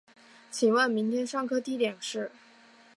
请问明天上课地点是